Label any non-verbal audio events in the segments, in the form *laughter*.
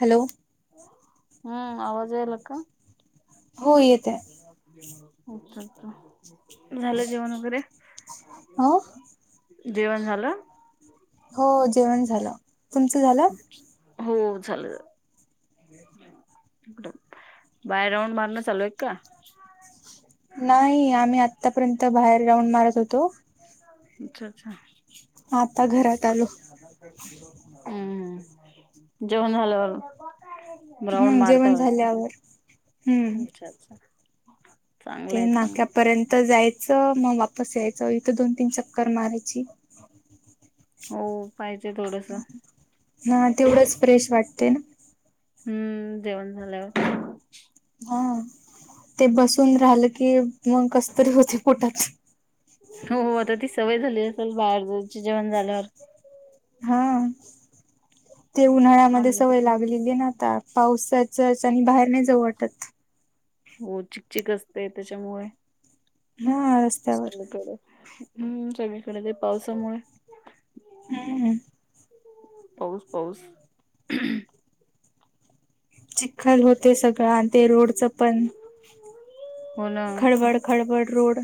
Hello. हा आवाज याला का? हो येत आहे अच्छा, अच्छा झालं जेवण वगैरे? हो जेवण झालं? हो जेवण झालं. तुमचं झालं? हो झालं. बाहेर राऊंड मारणं चालू आहेत का? नाही, आम्ही आतापर्यंत बाहेर राऊंड मारत होतो. अच्छा, अच्छा. आता घरात आलो हम्म, जेवण झाल्यावर. राउंड हम्म मारता जेवण होत्या, झाल्यावर हम्म अच्छा, अच्छा. चांगलं ते आहे चांगलं नाक्यापर्यंत जायचं मग वापस यायचं इथं दोन, तीन चक्कर मारायची. हो पाहिजे थोडसं. हा तेवढंच फ्रेश वाटते ना. हम्म, जेवण झाल्यावर. हा, ते बसून राहिलं की मग कसं तरी होतय पोटात. हो, हो, आता ती सवय झाली असेल बाहेर जायची जेवण झाल्यावर? हा, ते उन्हाळ्यामध्ये आम सवय काय लागलेली ना आता. पाउसाच्या येचानी बाहेर नाही जाऊ वाटत. हो चिकचिक असतेय त्याच्यामुळे हा रस्त्यावर सगळीकडे. हम्म, सगळीकडे ते पावसामुळे. हम्म, हम्म. पाऊस, पाऊस. खल होते सगळं आणि ते रोडच पण हो ना खडबड खडबड रोड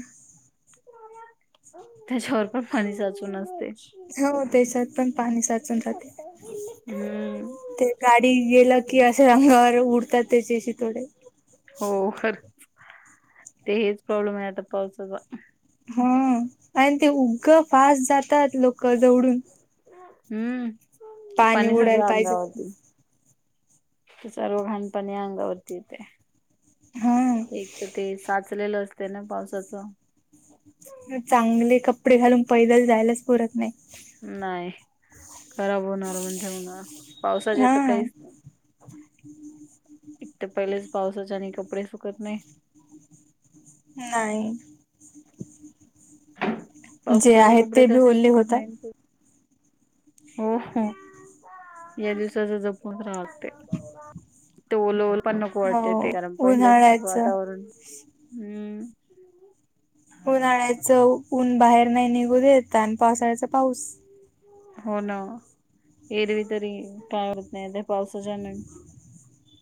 त्याच्यावर पण पाणी साचून असते. हो त्याच्यात पण पाणी साचून राहते, हम्म. ते गाडी गेलं कि असे अंगावर उडतात, त्याचे शीतोडे हो खरंच, ते हेच प्रॉब्लेमय आता पावसाचा हा आणि ते उगं फास्ट जातात लोक जवळून हम्म, पाणी उडायला सगळं पाहिजे म्हणून. अंगावरती ते सर्व घाण पाणी, अंगावरती येतय हा. एक तर ते, साचलेलं असते ना, पावसाचं चांगले कपडे घालून, पैदल जायलाच पुरत नायी नाही खराब होणार म्हणजे होणार, पावसाचे त हा. काहीच नाही. एक त पहिलेच पावसाच्याह्यानी कपडे सुकत नाही. नायी जे पावसाचे आहेत ते कपडे बी कसेच ओले सुकत होतात नाहीत हो हो या दिवसाच जपून राहव लागतय ते ओलं ओलं पण नको हो वाटते ते, कारण पहिलेच उन्हाळ्याच वातावरण हम्म उन्हाळ्याच ऊन बाहेर नाही निघून देत, आणं पावसाळ्याचा पाऊस हो ना एरवी तरी काय होत नाही त्या पावसाच्या ह्यान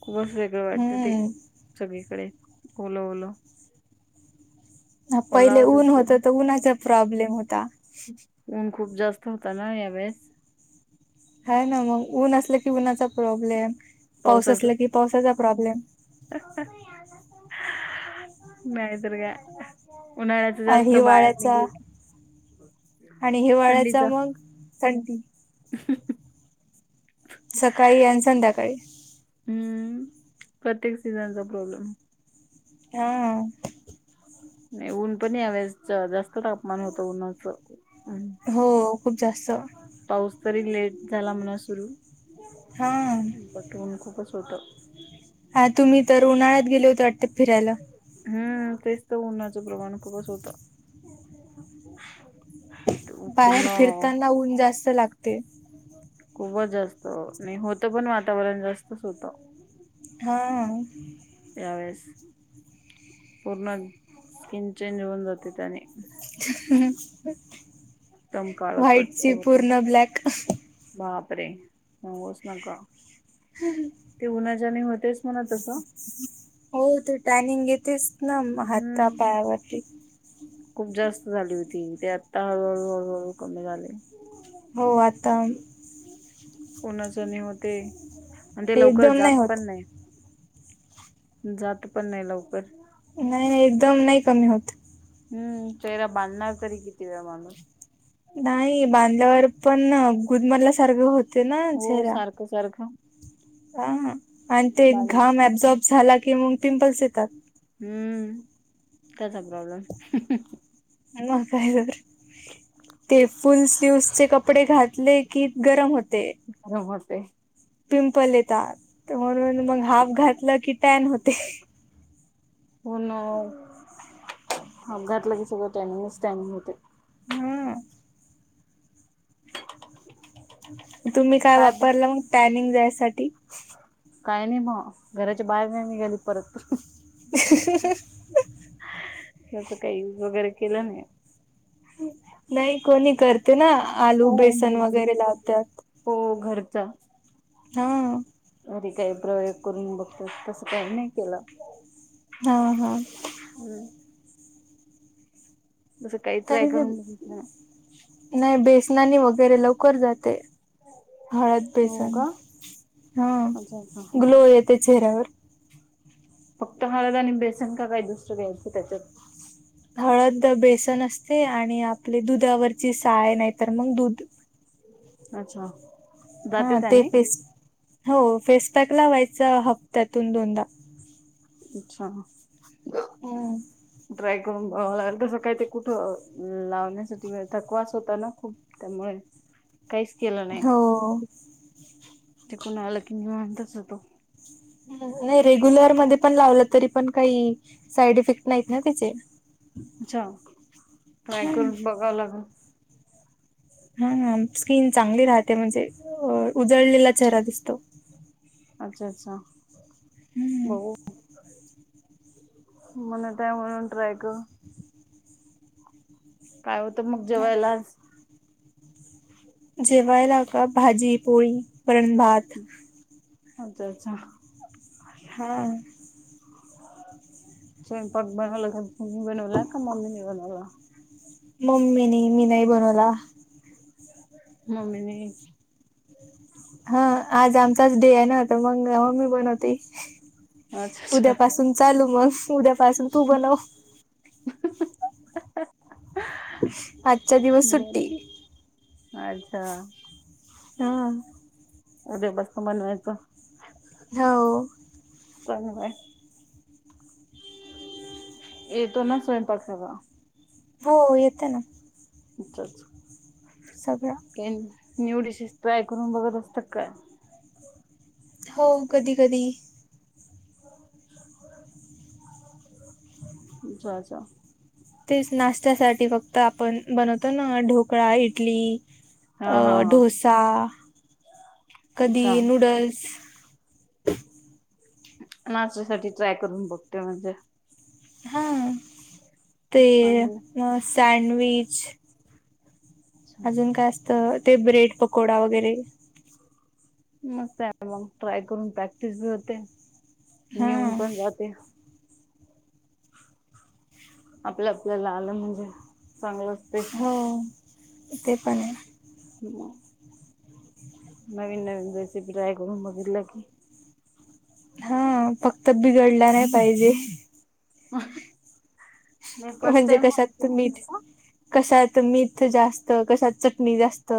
खूपच वेग वेगळं वाटत ते हम्म सगळीकडे, ओलं ओलं. ह, पहिले ओलावाच ऊन असते होतं त, उन्हाचा प्रॉब्लेम होता ऊन खूप जास्त होत ना, या वेळेस? हाय ना मग, ऊन असलं की उन्हाचा प्रॉब्लेम, पाऊस असला की पावसाचा प्रॉब्लेम हं हं नाहीतर काय उन्हाळ्याच जास्त बाहेर हिवाळ्याचा निघल की, आणि हिवाळ्याचा थंडीचा मग? थंडी *unintelligible* सकाळी आण संध्याकाळी हम्म, प्रत्येक सीझनचा प्रॉब्लेम हा नाही, ऊन पण, यावेळेस जास्त तापमान होतं उन्हाचं हं हो, खूप जास्त पाऊस तरी लेट झाला म्हणा सुरू, हा बट ऊन खूपच होत. हा तुम्ही तर, उन्हाळ्यात गेले होते वाटत, फिरायला? हम्म, तेच तर उन्हाचं प्रमाण खूपच होतं बाहेर पूर्ण फिरताना, ऊन जास्त लागते खूपच जास्त, नाही होत पण वातावरण जास्तच होतं. हा हा यावेेळेस, पूर्ण स्किन चेंज होऊन जाते त्यानी *inaudible* एकदम काळ कट्ट व्हाईटची होते पूर्ण ब्लॅक. बापरे! सांगूच नका हम ह *unintelligible* ते उन्हाच्याने होतेच म्हणा तसं हो ते टॅनिंग येतेच ना हाता हम्म पायावरती खूप जास्त झाली होती ते आत्ता हळूहळू, हळूहळू कमी झाले. हो आता. कोणाचणी होते आणि ते हे लवकर एकदम जात होत पण नाही. जात पण नाही लवकर. नाही, नाही एकदम नाही कमी होत. हम्म, चेहरा बांधणार तरी किती वेळा माणूस. नाही बांधल्यावर पण गुदमरला सारखं होत. हो, सारखं, सारखं. हा आणि ते बांध घाम अब्झॉर्ब झाला की मग पिंपल्स येतात. हम्म, त्याचा काय प्रॉब्लेम? मग काय कर ते फुल स्लीव चे कपडे घातले की गरम होते. गरम होते. पिंपल येतात म्हणून मग हाफ घातलं की टॅन होते. हो ना हाप अपघातल की सगळं टॅनिंगच, टॅनिंग होते. हम्म. तुम्ही काय वापरलं मग टॅनिंग जायसाठी? काही नाही बो घराच्या बाहेर नाही निघाली परत. *inaudible* तस काही युज वगैरे केलं नाही. नाही कोणी करते ना आलू हो हो बेसन बरोबर वगैरे लावतात. हो घरचा हा. घरी काही प्रयोग करून बघत तस काही नाही केल. हा हा. हम्म. जसं काही ट्राय तरी ब ते ना नाही बेसनानी वगैरे लवकर जाते. हळद हो बेसन का हा अच्छा अच्छा ग्लो येते चेहऱ्यावर. फक्त हळद आणि बेसन का काय दुसर काही असते त्याच्यात? हळद बेसन असते आणि आपले दुधावरची साय नाही तर मग दूध. अच्छा. जाते हा ते त्यानी फेस हो फेसपॅक ला व्हायचं हप्त्यातून दोनदा. अच्छा. हम्म. ट्राय करून बघ लागेल तसं काय ते कुठं लावण्यासाठी थकवास होता ना खूप. त्यामुळे काहीच केलं नाही. हो ते कुण आलं की म्हणताच होतो. नाही रेग्युलर मध्ये पण लावलं तरी पण काही साईड इफेक्ट नाहीत ना त्याचे? अच्छा ट्राय करून बघाव लागेल. हा हा स्किन चांगली राहते म्हणजे अ उजळलेला अच्छा चेहरा दिसतो. अच्छा, अच्छा बघु. हम्म मला टॅन म्हणून ट्रॅयक *inaudible* काय होतं मग जेवायला आज? जेवायला का भाजी, पोळी, वरणभात. नंतरचा. हा! स्वयंपाक बनवला का, तुनी बनवला का मम्मीने बनवला. मम्मी नी, मी नाही बनवला. मम्मी ने. हा आज आमचाच डे आहे ना त मंग आमी बनवती. अच्छा अच्छा उद्यापासून चालू मग, उद्यापासून तू बनव. आत. बोला अच्छा. हा! उद्या पासन बनवायचं. हो! आता गं बयां. येतो ना स्वयंपाक सगळा. हो येतं ना. ईच्छाच. सगळ. कॅय न्यू डिशेस, ट्राय करून बघत असता काय. हो कधी, कधी. *inaudible* ज्या, ज्या. तेच नाश्त्यासाठी फक्त आपण बनवतो ना ढोकळा इटली. अ हा हा हा ढोसा कधी अच्छा नूडल्स. नाष्ट्या साठी ट्राय करून बघते म्हणजे. हा ते चांगलं म सँडविच. अजून काय असतं ते ब्रेड पकोडा वगैरे. मग काय आपण *unintelligible* ट्राय करून प्रॅक्टिस बी होते हा नेऊन पण जाते. आपल्याला, आपल्याला आलं म्हणजे चांगलं असते हो ते पण आहे. मं. नवीन, नवीन रेसिपी ट्राय करून बघितल की. हा फक्त बिघडल्या *inaudible* म्हणजे टाइम कशात मीठ, कशात मीठ जास्त, कशात चटणी जास्त.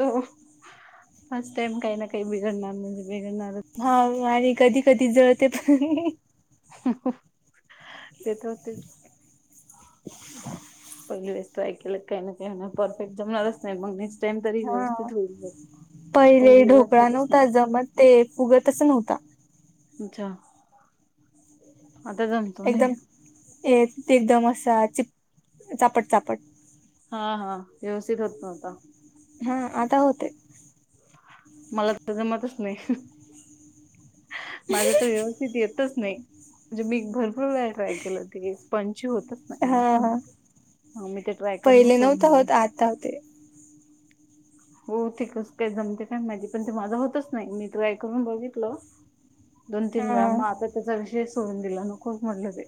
हो फस्ट टाईम काही ना काही बिघडणार म्हणजे बिघडणार. हा आणि कधी, कधी जळते पण. ते त होतेच. *inaudible* पगली वेस ट्राय केलं काही ना काही होनार, परफेक्ट जमणारच नाही मग निस हा पहिले पहिली वेळेस ढोकळा होतच नव्हता नाही जमत, ते फुगतच नव्हता. अच्छा आतागण. एकदम एक ते दम असा चिप-चापट, चापट. हा, हा व्यवस्थित होत नव्हता. हं आता होतोय. मला त जमतच नाही. माझं तर... व्यवस्थित येतच नाई. म्हणजे मी भरपूर वेळा ट्राय केलं... ते स्पंची होतच नाई. हा हा हा... मग मी ते ट्राय करनंच पहिले सोडून नव्हता दिलं होत आता होते हो... थीकच ते जमतेत. का माहिती पण ते माझं होतच नाही... मी ट्राय करून बघितलं... दोन तीन वेळा... हा मग आता त्याचा विषयच सोडून दिला... नको म्हटलं ते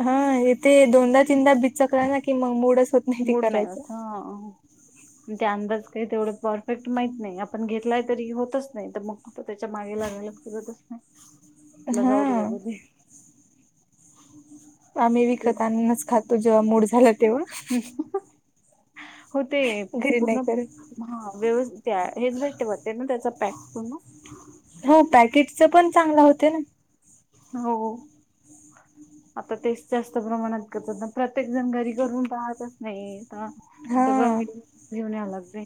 हा... हे ते... दोनदा तीनदा बिचकला ना... कि मग मुडच होत ते मुड नाही करायचं होत... हं अन ते अंदाज काही तेवढं परफेक्ट माहित नाही. आपण घेतलाय तरी होतच नाही... तर मग तर त्याच्या मागे लागायला फिरतच नाई *unintelligible* तिला जाऊ दे हा बाबा दे आम्ही विकत आणूनच खातो, जेव्हा मूड झाला तेव्हा *inaudible* हो ते घरी नाही पूर्ण करत हा व्यव... त्या... हेच भेटते होते ना... त्याचा पॅक पूर्ण. हो... पॅकेटचं पण चांगलं होते ना हो. आता तेच जास्त प्रमाणात करतात ना... प्रत्येक जण घरी करून पहातच नई. हा... सगळं हा मिलून.. घेऊन यावं लागतंय!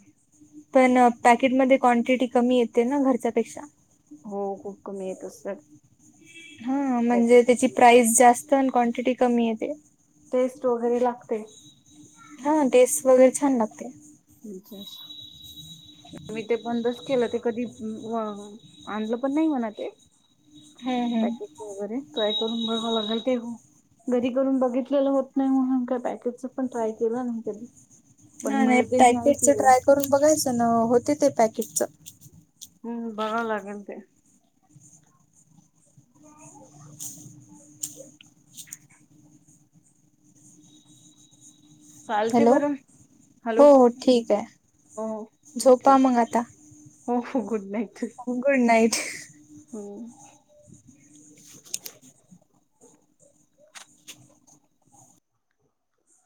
पण पॅकेटमध्ये कॉन्टीटी कमी येते, ना घरच्यापेक्षा? हो... खूप कमी येत असते हा... म्हणजे त्याची प्राईस जास्त आणि क्वांटिटी कमी येते. टेस्ट वगैरे लागते. हा.. टेस्ट वगैरे छान लागते. तुमच्यात मी ते बंदच केलं... ते कधी... व... कधी आणलं पण नई म्हणा ते हू हू. हो... वगैरे... ट्राय करून बघावं लागेल ते... हो घरी करून बघितलेलं होत नाही म्हणून... काय पॅकेजचं पण ट्राय केलं नाही मी कधी. पण हा... नाई मिळते हे पॅकेटच ऐकलेलं. ट्राय करून बघायचं ना... होते ते पॅकेटचं. हम्म... बघावं लागेल ते. *unintelligible* चालते हॅलो बरं... हो हॅलो.. हो ठीक आहे हो.. झोपा ठेव मग हो हो... गुड नाईट. हो... गुड नाईट. हम्म.